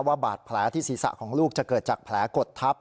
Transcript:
บาดแผลที่ศีรษะของลูกจะเกิดจากแผลกดทับ